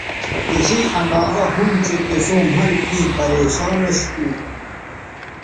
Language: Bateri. تسئ اندازہ ھُون چہء تِسوں مھل کیں پریشان اش تھو